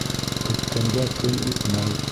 Көткәнгә көн үтмәй